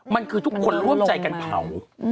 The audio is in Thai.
มันคือทุกคนร่วมใจกันเผา